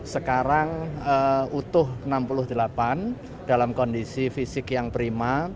sekarang utuh enam puluh delapan dalam kondisi fisik yang prima